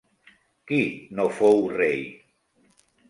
Qui no fou rei?